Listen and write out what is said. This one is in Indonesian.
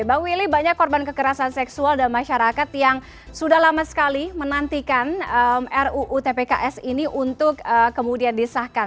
bang willy banyak korban kekerasan seksual dan masyarakat yang sudah lama sekali menantikan ruu tpks ini untuk kemudian disahkan